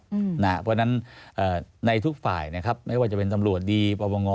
เพราะฉะนั้นในทุกฝ่ายนะครับไม่ว่าจะเป็นตำรวจดีปปง